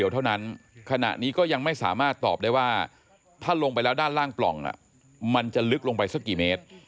เท่านั้นขณะนี้ก็ยังไม่สามารถตอบได้ว่าถ้าลงไปแล้วด้านล่างปล่องมันจะลึกลงไปสักกี่เมตร